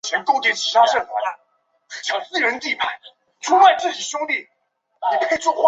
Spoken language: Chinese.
工业上各种氯代乙酸就是通过这个反应制备的。